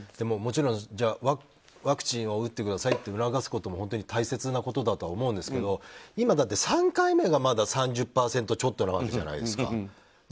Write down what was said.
もちろんワクチンを打ってくださいって促すことも大切なことだとは思うんですけど今だって、３回目がまだ３０％ちょっとなわけじゃないですか。